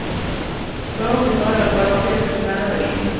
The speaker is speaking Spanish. Fue bautizado en la parroquia de Santa Ana de Lima.